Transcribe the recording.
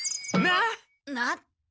なっ！